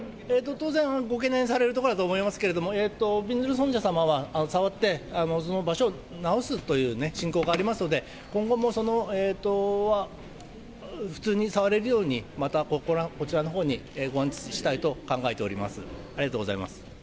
当然、ご懸念されるところかと思いますけれども、びんずる尊者様は触って、その場所を治すという信仰がありますので、今後も普通に触れるように、またこちらのほうにご安置したいと考えております。